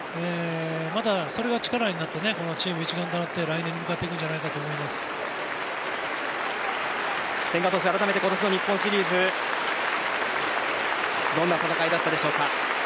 またそれが力になってチーム一丸となって千賀投手、改めて今年の日本シリーズどんな戦いだったでしょうか。